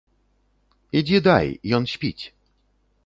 Ідзі дай, ён спіць.